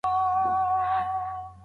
درنښت کم نه وو، خو بسنه نه کوله.